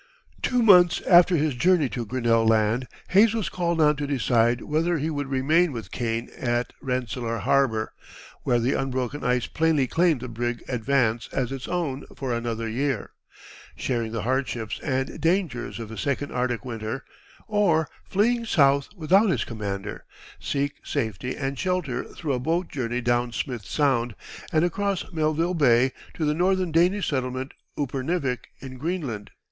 Two months after his journey to Grinnell Land, Hayes was called on to decide whether he would remain with Kane at Rensselaer Harbor, where the unbroken ice plainly claimed the brig Advance as its own for another year, sharing the hardships and dangers of a second Arctic winter, or, fleeing south without his commander, seek safety and shelter through a boat journey down Smith Sound, and across Melville Bay, to the northern Danish settlement, Upernivik, in Greenland.